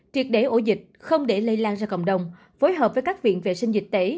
triệt để ổ dịch không để lây lan ra cộng đồng phối hợp với các viện vệ sinh dịch tễ